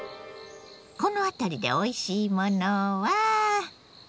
この辺りでおいしいものは？